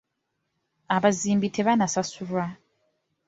Abazimbi tebannasasulwa.